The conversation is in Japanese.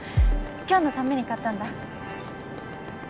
今日のために買ったんだ。